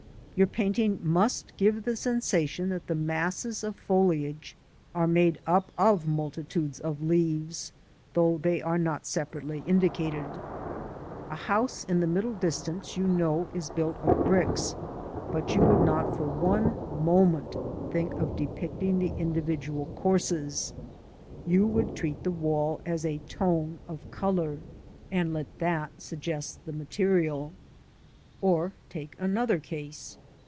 Yourpainting must give the sensation that the masses of foliage are made up of multitudes of leaves, though they are not separately indicated. A house in the middle distance you know is built of bricks, but you would not for one moment think of de picting the individual courses; you would treat the wall as a tone of colour, EVENING IN THE COTSWOLDS. From the Painting by ALFRED EAST, A.R.A. PAINTING FROM NATURE, 105 and let that suggest the material. Or, take another case.